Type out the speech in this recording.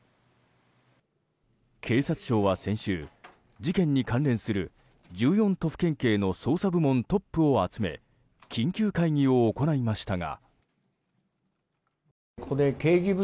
警察庁は先週、事件に関連する１４都府県警の捜査部門トップを集め緊急会議を行いましたが。